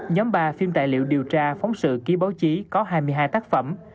nhóm ba phim tài liệu điều tra phóng sự ký báo chí có hai mươi hai tác phẩm